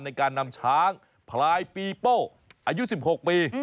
ในการนำช้างพลายปีโป้อายุ๑๖ปี